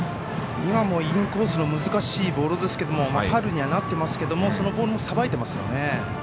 今もインコースの難しいボールですけどもファウルにはなってますけどもそのボールもさばいてますよね。